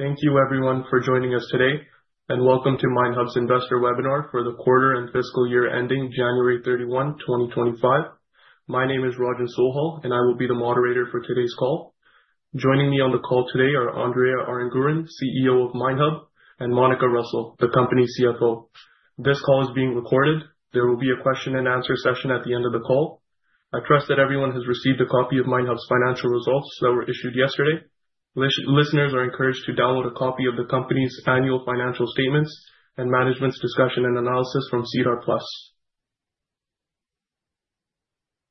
Thank you, everyone, for joining us today, and welcome to MineHub's Investor Webinar for the quarter and fiscal year ending January 31, 2025. My name is Rajan Solhal, and I will be the moderator for today's call. Joining me on the call today are Andrea Aranguren, CEO of MineHub, and Monika Russell, the company CFO. This call is being recorded. There will be a question-and-answer session at the end of the call. I trust that everyone has received a copy of MineHub's financial results that were issued yesterday. Listeners are encouraged to download a copy of the company's annual financial statements and management's discussion and analysis from Cedar Plus.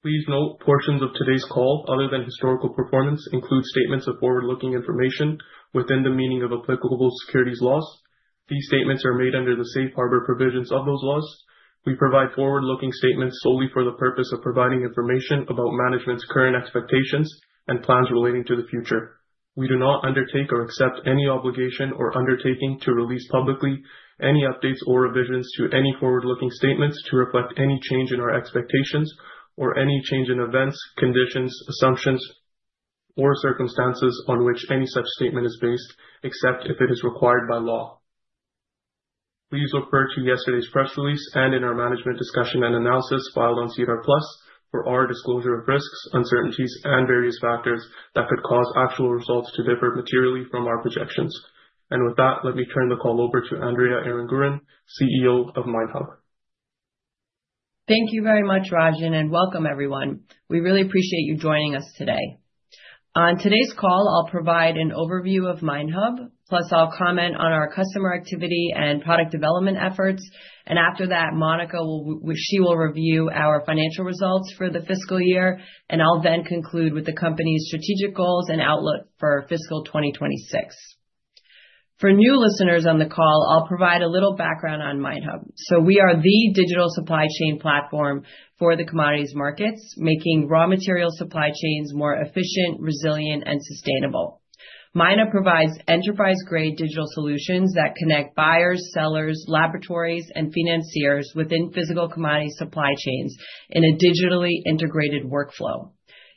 Please note portions of today's call, other than historical performance, include statements of forward-looking information within the meaning of applicable securities laws. These statements are made under the safe harbor provisions of those laws. We provide forward-looking statements solely for the purpose of providing information about management's current expectations and plans relating to the future. We do not undertake or accept any obligation or undertaking to release publicly any updates or revisions to any forward-looking statements to reflect any change in our expectations or any change in events, conditions, assumptions, or circumstances on which any such statement is based, except if it is required by law. Please refer to yesterday's press release and in our management discussion and analysis filed on Cedar Plus for our disclosure of risks, uncertainties, and various factors that could cause actual results to differ materially from our projections. With that, let me turn the call over to Andrea Aranguren, CEO of MineHub. Thank you very much, Rajan, and welcome, everyone. We really appreciate you joining us today. On today's call, I'll provide an overview of MineHub, plus I'll comment on our customer activity and product development efforts. After that, Monika, she will review our financial results for the fiscal year, and I'll then conclude with the company's strategic goals and outlook for fiscal 2026. For new listeners on the call, I'll provide a little background on MineHub. We are the digital supply chain platform for the commodities markets, making raw material supply chains more efficient, resilient, and sustainable. MineHub provides enterprise-grade digital solutions that connect buyers, sellers, laboratories, and financiers within physical commodity supply chains in a digitally integrated workflow.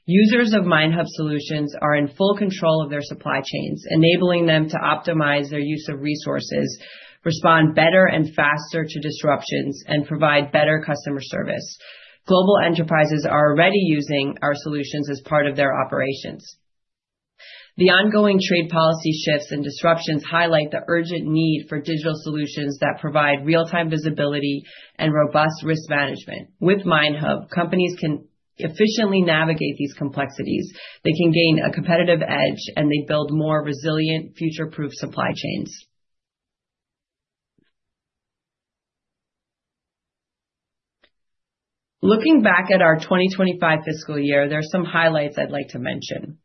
Users of MineHub solutions are in full control of their supply chains, enabling them to optimize their use of resources, respond better and faster to disruptions, and provide better customer service. Global enterprises are already using our solutions as part of their operations. The ongoing trade policy shifts and disruptions highlight the urgent need for digital solutions that provide real-time visibility and robust risk management. With MineHub, companies can efficiently navigate these complexities, they can gain a competitive edge, and they build more resilient, future-proof supply chains. Looking back at our 2025 fiscal year, there are some highlights I'd like to mention.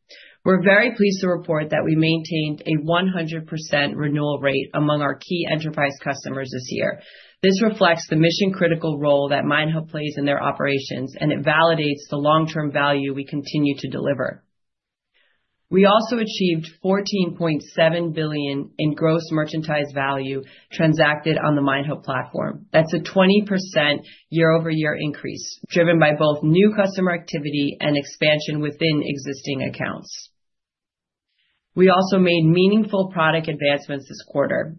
We're very pleased to report that we maintained a 100% renewal rate among our key enterprise customers this year. This reflects the mission-critical role that MineHub plays in their operations, and it validates the long-term value we continue to deliver. We also achieved $14.7 billion in gross merchandise value transacted on the MineHub platform. That's a 20% year-over-year increase driven by both new customer activity and expansion within existing accounts. We also made meaningful product advancements this quarter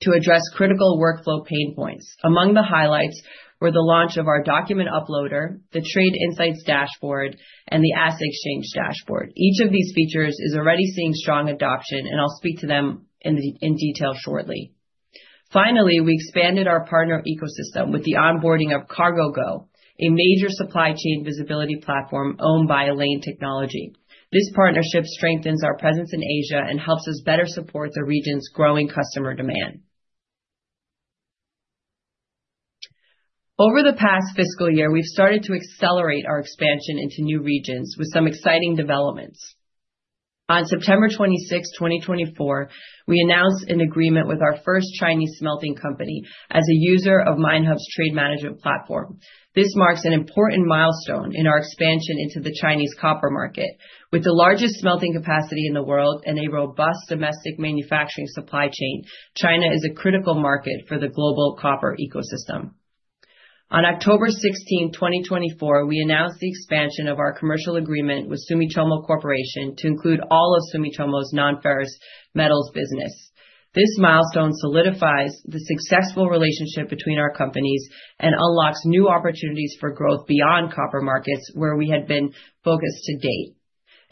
to address critical workflow pain points. Among the highlights were the launch of our document uploader, the Trade Insights Dashboard, and the Asset Exchange Dashboard. Each of these features is already seeing strong adoption, and I'll speak to them in detail shortly. Finally, we expanded our partner ecosystem with the onboarding of cargoGo, a major supply chain visibility platform owned by Elaine Technology. This partnership strengthens our presence in Asia and helps us better support the region's growing customer demand. Over the past fiscal year, we've started to accelerate our expansion into new regions with some exciting developments. On September 26, 2024, we announced an agreement with our first Chinese smelting company as a user of MineHub's trade management platform. This marks an important milestone in our expansion into the Chinese copper market. With the largest smelting capacity in the world and a robust domestic manufacturing supply chain, China is a critical market for the global copper ecosystem. On October 16, 2024, we announced the expansion of our commercial agreement with Sumitomo Corporation to include all of Sumitomo's non-ferrous metals business. This milestone solidifies the successful relationship between our companies and unlocks new opportunities for growth beyond copper markets, where we had been focused to date.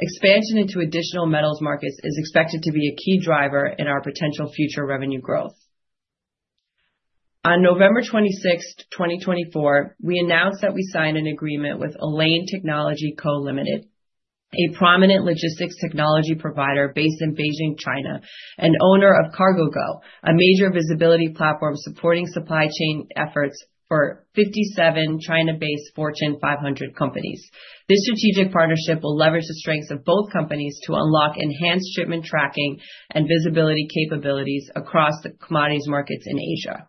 Expansion into additional metals markets is expected to be a key driver in our potential future revenue growth. On November 26, 2024, we announced that we signed an agreement with Elaine Technology Co Ltd a prominent logistics technology provider based in Beijing, China, and owner of cargoGo, a major visibility platform supporting supply chain efforts for 57 China-based Fortune 500 companies. This strategic partnership will leverage the strengths of both companies to unlock enhanced shipment tracking and visibility capabilities across the commodities markets in Asia.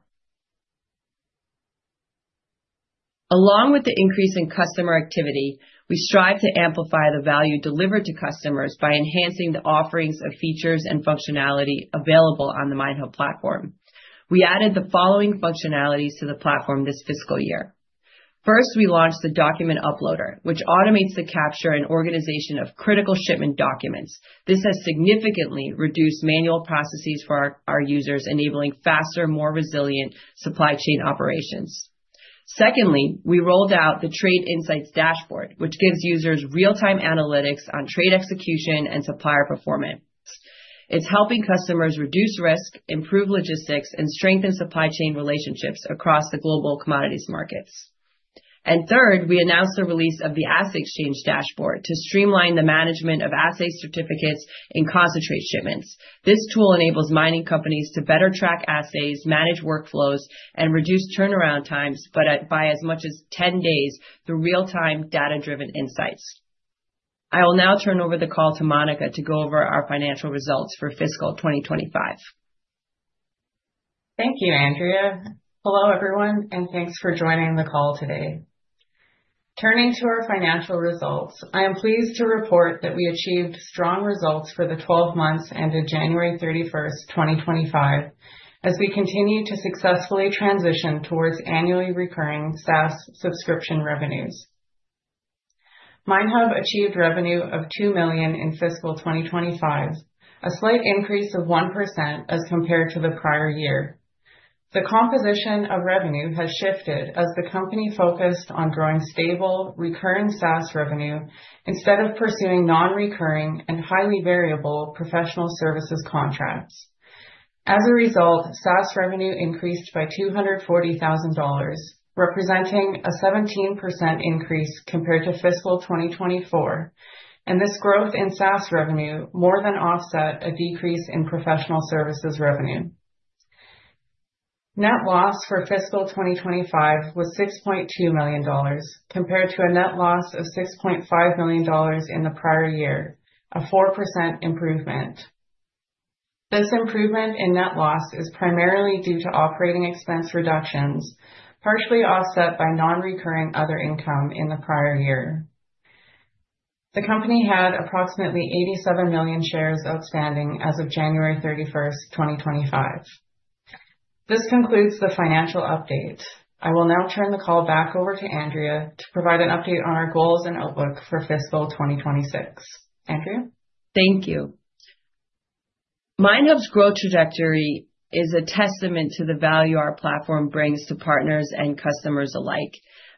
Along with the increase in customer activity, we strive to amplify the value delivered to customers by enhancing the offerings of features and functionality available on the MineHub platform. We added the following functionalities to the platform this fiscal year. First, we launched the document uploader, which automates the capture and organization of critical shipment documents. This has significantly reduced manual processes for our users, enabling faster, more resilient supply chain operations. Secondly, we rolled out the Trade Insights Dashboard, which gives users real-time analytics on trade execution and supplier performance. It is helping customers reduce risk, improve logistics, and strengthen supply chain relationships across the global commodities markets. Third, we announced the release of the Asset Exchange Dashboard to streamline the management of assay certificates in concentrate shipments. This tool enables mining companies to better track assays, manage workflows, and reduce turnaround times by as much as 10 days through real-time data-driven insights. I will now turn over the call to Monika to go over our financial results for fiscal 2025. Thank you, Andrea. Hello, everyone, and thanks for joining the call today. Turning to our financial results, I am pleased to report that we achieved strong results for the 12 months ended January 31, 2025, as we continue to successfully transition towards annually recurring SaaS subscription revenues. MineHub achieved revenue of $2 million in fiscal 2025, a slight increase of 1% as compared to the prior year. The composition of revenue has shifted as the company focused on growing stable, recurring SaaS revenue instead of pursuing non-recurring and highly variable professional services contracts. As a result, SaaS revenue increased by $240,000, representing a 17% increase compared to fiscal 2024, and this growth in SaaS revenue more than offset a decrease in professional services revenue. Net loss for fiscal 2025 was $6.2 million compared to a net loss of $6.5 million in the prior year, a 4% improvement. This improvement in net loss is primarily due to operating expense reductions, partially offset by non-recurring other income in the prior year. The company had approximately 87 million shares outstanding as of January 31, 2025. This concludes the financial update. I will now turn the call back over to Andrea to provide an update on our goals and outlook for fiscal 2026. Andrea. Thank you. MineHub's growth trajectory is a testament to the value our platform brings to partners and customers alike.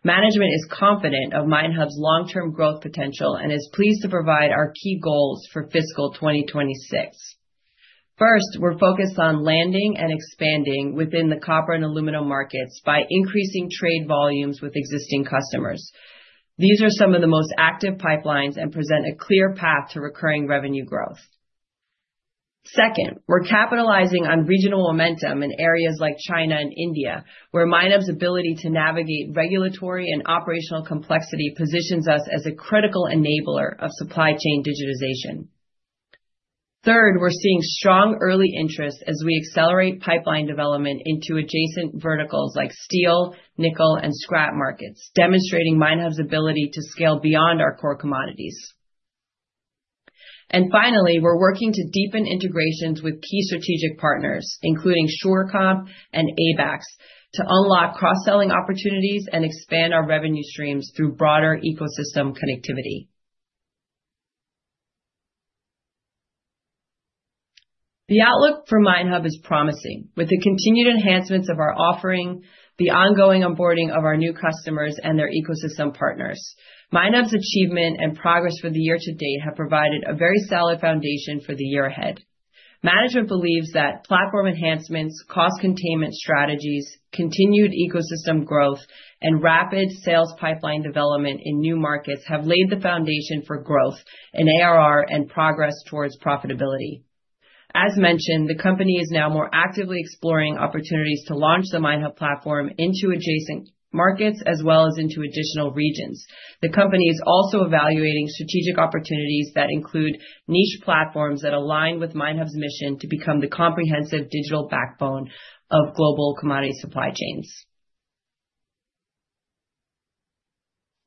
Management is confident of MineHub's long-term growth potential and is pleased to provide our key goals for fiscal 2026. First, we're focused on landing and expanding within the copper and aluminum markets by increasing trade volumes with existing customers. These are some of the most active pipelines and present a clear path to recurring revenue growth. Second, we're capitalizing on regional momentum in areas like China and India, where MineHub's ability to navigate regulatory and operational complexity positions us as a critical enabler of supply chain digitization. Third, we're seeing strong early interest as we accelerate pipeline development into adjacent verticals like steel, nickel, and scrap markets, demonstrating MineHub's ability to scale beyond our core commodities. We are working to deepen integrations with key strategic partners, including Surecomp and ABAX, to unlock cross-selling opportunities and expand our revenue streams through broader ecosystem connectivity. The outlook for MineHub is promising. With the continued enhancements of our offering, the ongoing onboarding of our new customers, and their ecosystem partners, MineHub's achievement and progress for the year to date have provided a very solid foundation for the year ahead. Management believes that platform enhancements, cost containment strategies, continued ecosystem growth, and rapid sales pipeline development in new markets have laid the foundation for growth in ARR and progress towards profitability. As mentioned, the company is now more actively exploring opportunities to launch the MineHub platform into adjacent markets as well as into additional regions. The company is also evaluating strategic opportunities that include niche platforms that align with MineHub's mission to become the comprehensive digital backbone of global commodity supply chains.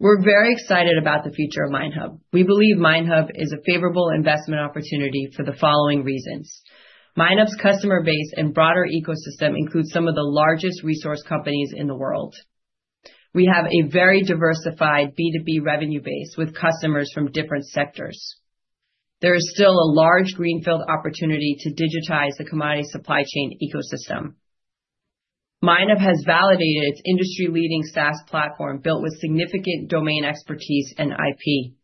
We're very excited about the future of MineHub. We believe MineHub is a favorable investment opportunity for the following reasons. MineHub's customer base and broader ecosystem include some of the largest resource companies in the world. We have a very diversified B2B revenue base with customers from different sectors. There is still a large greenfield opportunity to digitize the commodity supply chain ecosystem. MineHub has validated its industry-leading SaaS platform built with significant domain expertise and IP.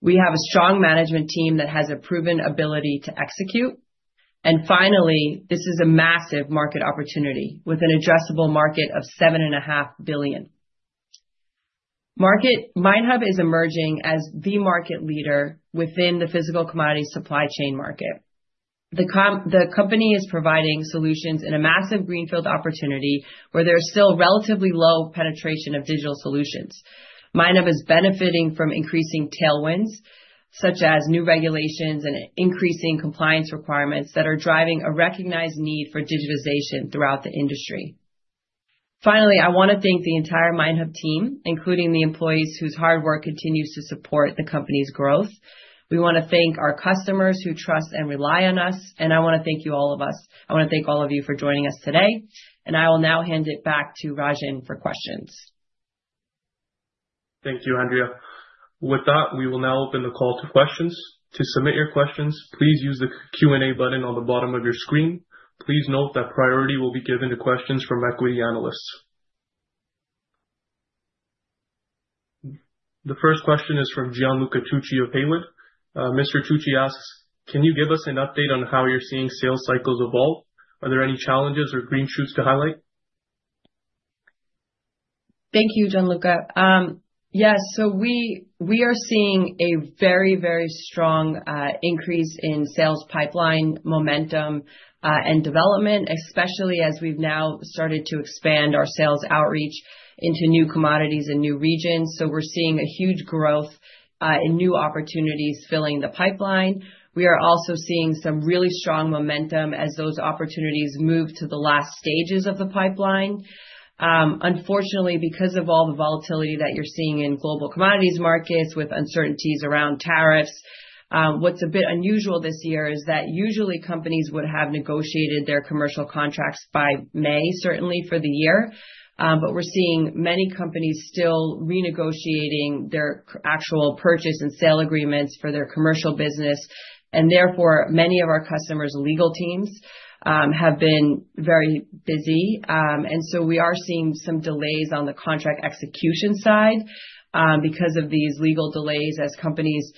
We have a strong management team that has a proven ability to execute. Finally, this is a massive market opportunity with an addressable market of $7.5 billion. MineHub is emerging as the market leader within the physical commodity supply chain market. The company is providing solutions in a massive greenfield opportunity where there is still relatively low penetration of digital solutions. MineHub is benefiting from increasing tailwinds such as new regulations and increasing compliance requirements that are driving a recognized need for digitization throughout the industry. Finally, I want to thank the entire MineHub team, including the employees whose hard work continues to support the company's growth. We want to thank our customers who trust and rely on us, and I want to thank all of you for joining us today, and I will now hand it back to Rajan for questions. Thank you, Andrea. With that, we will now open the call to questions. To submit your questions, please use the Q&A button on the bottom of your screen. Please note that priority will be given to questions from equity analysts. The first question is from Gianluca Tucci of Haywood. Mr. Tucci asks, "Can you give us an update on how you're seeing sales cycles evolve? Are there any challenges or green shoots to highlight? Thank you, Gianluca. Yes, we are seeing a very, very strong increase in sales pipeline momentum and development, especially as we have now started to expand our sales outreach into new commodities and new regions. We are seeing a huge growth in new opportunities filling the pipeline. We are also seeing some really strong momentum as those opportunities move to the last stages of the pipeline. Unfortunately, because of all the volatility that you are seeing in global commodities markets with uncertainties around tariffs, what is a bit unusual this year is that usually companies would have negotiated their commercial contracts by May, certainly for the year, but we are seeing many companies still renegotiating their actual purchase and sale agreements for their commercial business. Therefore, many of our customers' legal teams have been very busy. We are seeing some delays on the contract execution side because of these legal delays as companies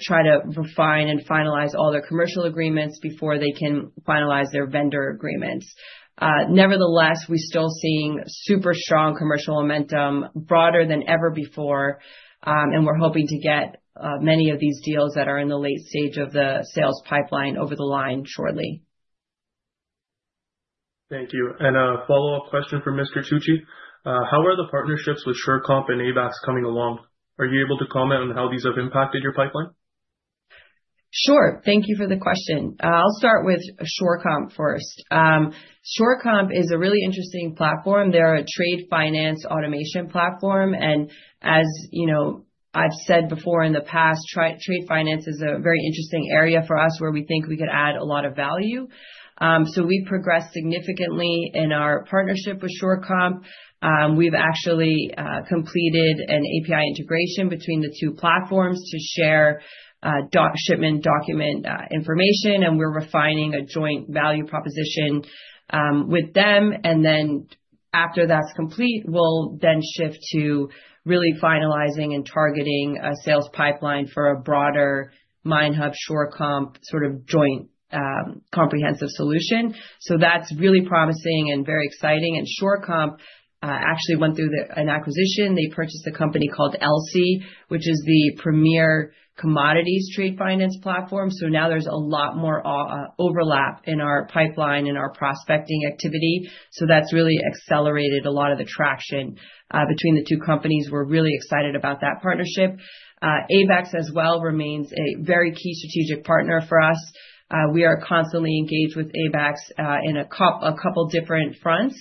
try to refine and finalize all their commercial agreements before they can finalize their vendor agreements. Nevertheless, we're still seeing super strong commercial momentum broader than ever before, and we're hoping to get many of these deals that are in the late stage of the sales pipeline over the line shortly. Thank you. A follow-up question for Mr. Tucci. How are the partnerships with Surecomp and ABAX coming along? Are you able to comment on how these have impacted your pipeline? Sure. Thank you for the question. I'll start with Surecomp first. Surecomp is a really interesting platform. They're a trade finance automation platform. As I've said before in the past, trade finance is a very interesting area for us where we think we could add a lot of value. We've progressed significantly in our partnership with Surecomp. We've actually completed an API integration between the two platforms to share shipment document information, and we're refining a joint value proposition with them. After that's complete, we'll then shift to really finalizing and targeting a sales pipeline for a broader MineHub Surecomp sort of joint comprehensive solution. That's really promising and very exciting. Surecomp actually went through an acquisition. They purchased a company called Elsie, which is the premier commodities trade finance platform. Now there's a lot more overlap in our pipeline and our prospecting activity. That has really accelerated a lot of the traction between the two companies. We're really excited about that partnership. ABAX as well remains a very key strategic partner for us. We are constantly engaged with ABAX in a couple of different fronts.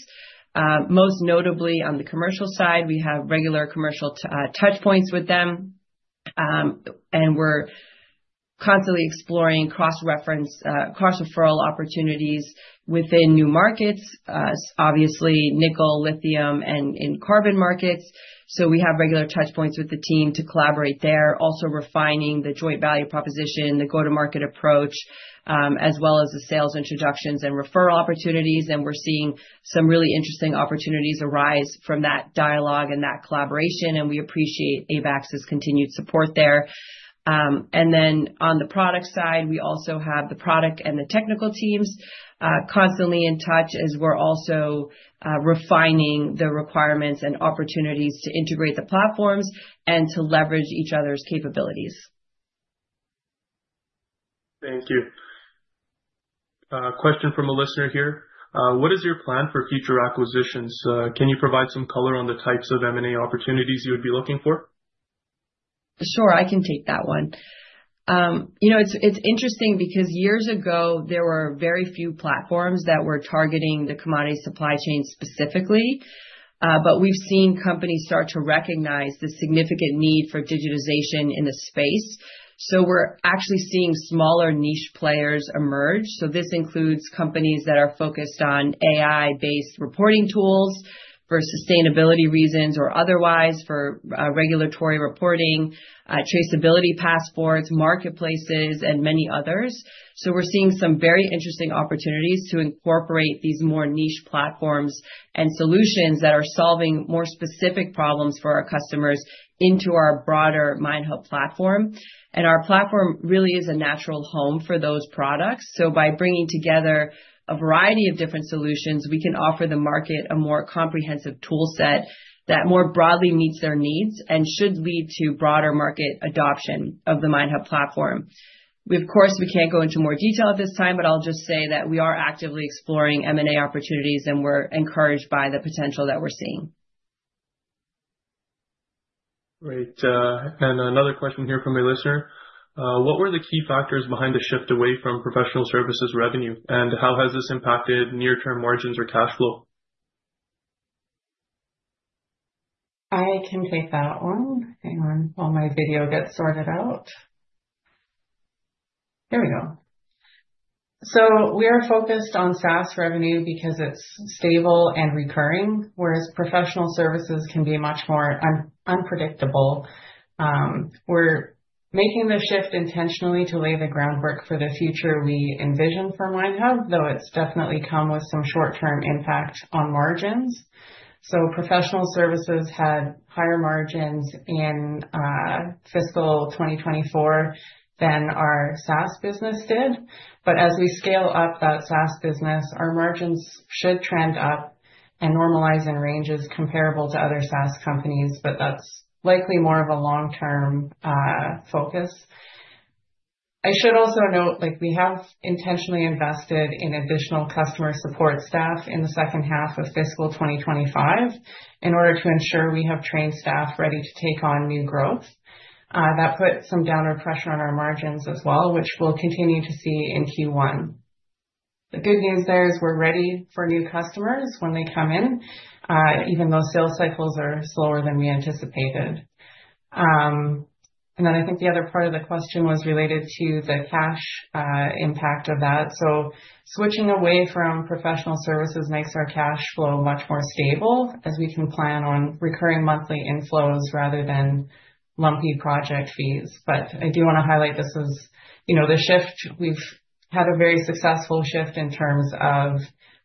Most notably, on the commercial side, we have regular commercial touchpoints with them, and we're constantly exploring cross-referral opportunities within new markets, obviously nickel, lithium, and in carbon markets. We have regular touchpoints with the team to collaborate there, also refining the joint value proposition, the go-to-market approach, as well as the sales introductions and referral opportunities. We're seeing some really interesting opportunities arise from that dialogue and that collaboration, and we appreciate ABAX's continued support there. On the product side, we also have the product and the technical teams constantly in touch as we're also refining the requirements and opportunities to integrate the platforms and to leverage each other's capabilities. Thank you. Question from a listener here. What is your plan for future acquisitions? Can you provide some color on the types of M&A opportunities you would be looking for? Sure, I can take that one. It's interesting because years ago, there were very few platforms that were targeting the commodity supply chain specifically, but we've seen companies start to recognize the significant need for digitization in the space. We're actually seeing smaller niche players emerge. This includes companies that are focused on AI-based reporting tools for sustainability reasons or otherwise for regulatory reporting, traceability passports, marketplaces, and many others. We're seeing some very interesting opportunities to incorporate these more niche platforms and solutions that are solving more specific problems for our customers into our broader MineHub platform. Our platform really is a natural home for those products. By bringing together a variety of different solutions, we can offer the market a more comprehensive toolset that more broadly meets their needs and should lead to broader market adoption of the MineHub platform. Of course, we can't go into more detail at this time, but I'll just say that we are actively exploring M&A opportunities, and we're encouraged by the potential that we're seeing. Great. Another question here from a listener. What were the key factors behind the shift away from professional services revenue, and how has this impacted near-term margins or cash flow? I can take that one. Hang on while my video gets sorted out. Here we go. We are focused on SaaS revenue because it's stable and recurring, whereas professional services can be much more unpredictable. We're making the shift intentionally to lay the groundwork for the future we envision for MineHub, though it's definitely come with some short-term impact on margins. Professional services had higher margins in fiscal 2024 than our SaaS business did. As we scale up that SaaS business, our margins should trend up and normalize in ranges comparable to other SaaS companies, but that's likely more of a long-term focus. I should also note we have intentionally invested in additional customer support staff in the second half of fiscal 2025 in order to ensure we have trained staff ready to take on new growth. That puts some downward pressure on our margins as well, which we'll continue to see in Q1. The good news there is we're ready for new customers when they come in, even though sales cycles are slower than we anticipated. I think the other part of the question was related to the cash impact of that. Switching away from professional services makes our cash flow much more stable as we can plan on recurring monthly inflows rather than lumpy project fees. I do want to highlight this as the shift. We've had a very successful shift in terms of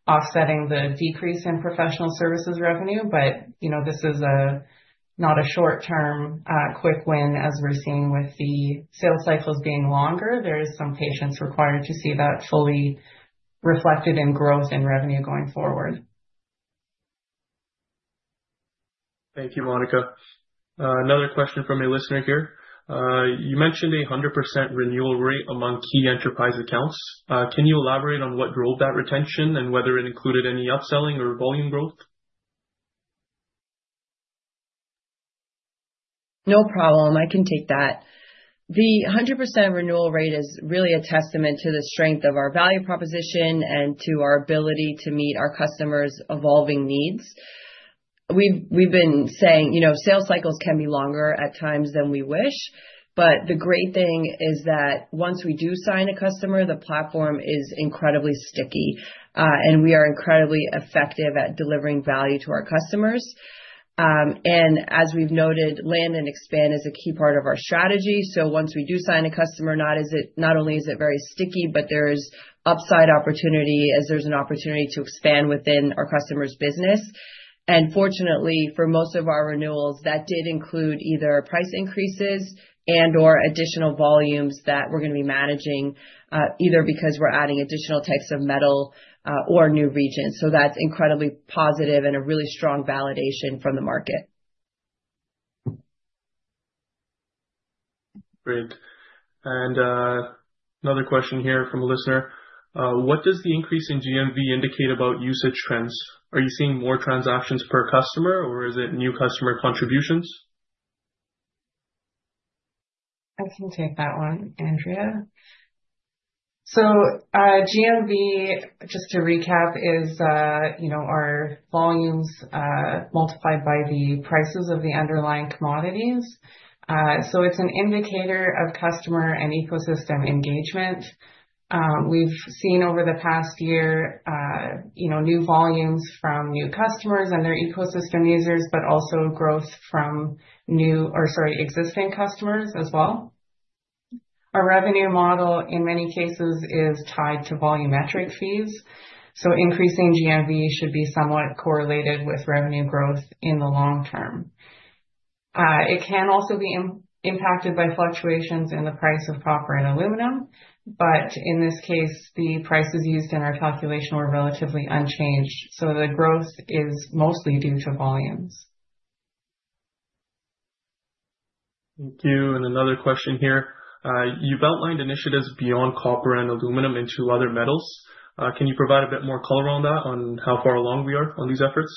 offsetting the decrease in professional services revenue, but this is not a short-term quick win as we're seeing with the sales cycles being longer. There is some patience required to see that fully reflected in growth and revenue going forward. Thank you, Monika. Another question from a listener here. You mentioned a 100% renewal rate among key enterprise accounts. Can you elaborate on what drove that retention and whether it included any upselling or volume growth? No problem. I can take that. The 100% renewal rate is really a testament to the strength of our value proposition and to our ability to meet our customers' evolving needs. We've been saying sales cycles can be longer at times than we wish, but the great thing is that once we do sign a customer, the platform is incredibly sticky, and we are incredibly effective at delivering value to our customers. As we've noted, land and expand is a key part of our strategy. Once we do sign a customer, not only is it very sticky, but there's upside opportunity as there's an opportunity to expand within our customer's business. Fortunately, for most of our renewals, that did include either price increases and/or additional volumes that we're going to be managing either because we're adding additional types of metal or new regions. That's incredibly positive and a really strong validation from the market. Great. Another question here from a listener. What does the increase in GMV indicate about usage trends? Are you seeing more transactions per customer, or is it new customer contributions? I can take that one, Andrea. GMV, just to recap, is our volumes multiplied by the prices of the underlying commodities. It is an indicator of customer and ecosystem engagement. We have seen over the past year new volumes from new customers and their ecosystem users, but also growth from new or, sorry, existing customers as well. Our revenue model, in many cases, is tied to volumetric fees. Increasing GMV should be somewhat correlated with revenue growth in the long term. It can also be impacted by fluctuations in the price of copper and aluminum, but in this case, the prices used in our calculation were relatively unchanged. The growth is mostly due to volumes. Thank you. Another question here. You have outlined initiatives beyond copper and aluminum into other metals. Can you provide a bit more color on that, on how far along we are on these efforts?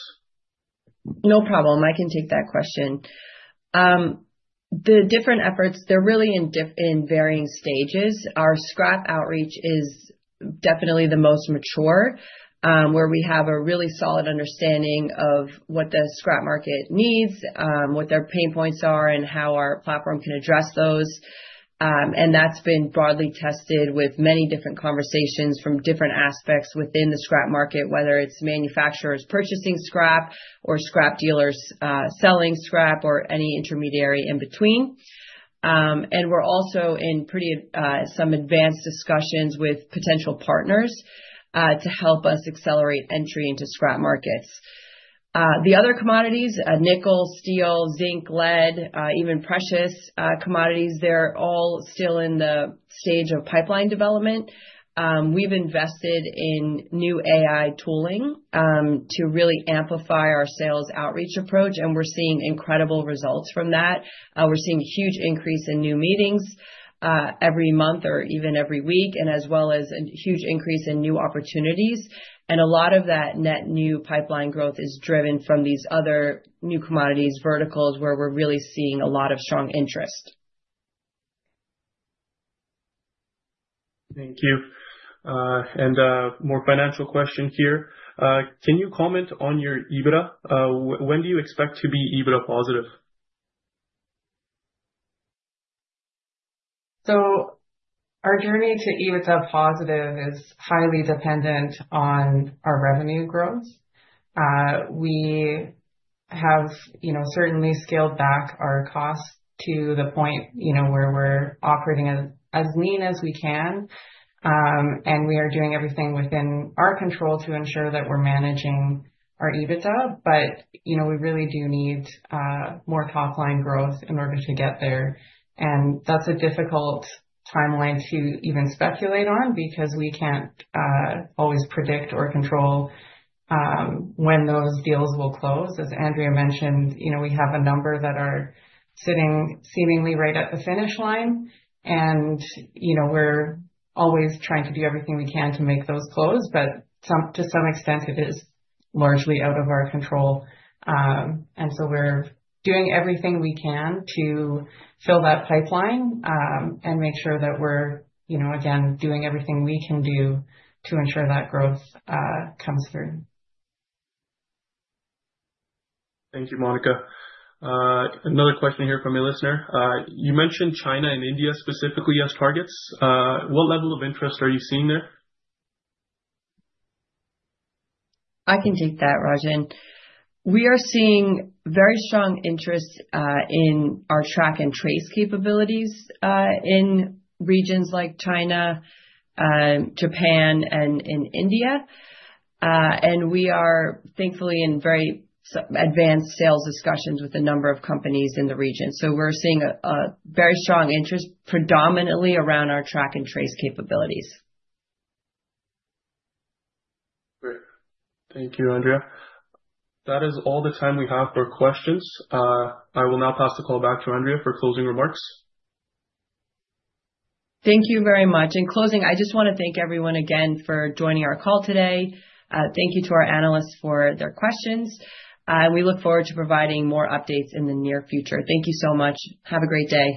No problem. I can take that question. The different efforts, they're really in varying stages. Our scrap outreach is definitely the most mature, where we have a really solid understanding of what the scrap market needs, what their pain points are, and how our platform can address those. That has been broadly tested with many different conversations from different aspects within the scrap market, whether it's manufacturers purchasing scrap or scrap dealers selling scrap or any intermediary in between. We are also in some advanced discussions with potential partners to help us accelerate entry into scrap markets. The other commodities—nickel, steel, zinc, lead, even precious commodities—they're all still in the stage of pipeline development. We have invested in new AI tooling to really amplify our sales outreach approach, and we're seeing incredible results from that. We're seeing a huge increase in new meetings every month or even every week, as well as a huge increase in new opportunities. A lot of that net new pipeline growth is driven from these other new commodities verticals where we're really seeing a lot of strong interest. Thank you. A more financial question here. Can you comment on your EBITDA? When do you expect to be EBITDA positive? Our journey to EBITDA positive is highly dependent on our revenue growth. We have certainly scaled back our costs to the point where we're operating as lean as we can, and we are doing everything within our control to ensure that we're managing our EBITDA. We really do need more top-line growth in order to get there. That's a difficult timeline to even speculate on because we can't always predict or control when those deals will close. As Andrea mentioned, we have a number that are sitting seemingly right at the finish line, and we're always trying to do everything we can to make those close. To some extent, it is largely out of our control. We are doing everything we can to fill that pipeline and make sure that we're, again, doing everything we can do to ensure that growth comes through. Thank you, Monika. Another question here from a listener. You mentioned China and India specifically as targets. What level of interest are you seeing there? I can take that, Rajan. We are seeing very strong interest in our track and trace capabilities in regions like China, Japan, and India. We are, thankfully, in very advanced sales discussions with a number of companies in the region. We are seeing a very strong interest predominantly around our track and trace capabilities. Great. Thank you, Andrea. That is all the time we have for questions. I will now pass the call back to Andrea for closing remarks. Thank you very much. In closing, I just want to thank everyone again for joining our call today. Thank you to our analysts for their questions. We look forward to providing more updates in the near future. Thank you so much. Have a great day.